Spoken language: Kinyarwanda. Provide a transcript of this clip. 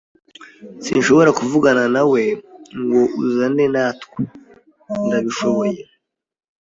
Sinshobora kuvugana nawe ngo uzane natwe, ndabishoboye?